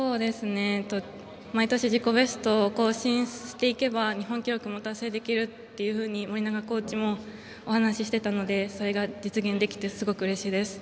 毎年、自己ベストを更新していけば日本記録も達成できると私のコーチもお話していたのでそれが実現できてすごくうれしいです。